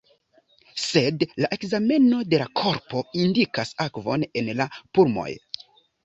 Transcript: Sed la ekzameno de la korpo indikis akvon en la pulmoj.